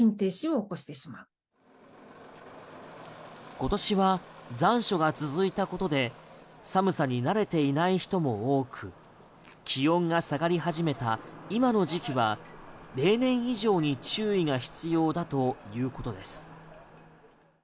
今年は残暑が続いたことで寒さに慣れていない人も多く気温が下がり始めた今の時期は例年以上に注意が必要だということです。